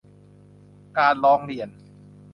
การร้องเรียน